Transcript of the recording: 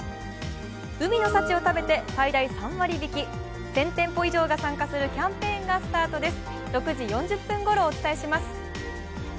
海の幸を食べて、最大３割引１０００店舗以上が参加するキャンペーンがスタートです。